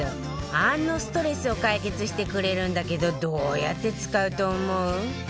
あのストレスを解決してくれるんだけどどうやって使うと思う？